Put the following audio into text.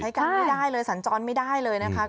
ใช้กันไม่ได้เลยสัญจอลไม่ได้เลยนะคะ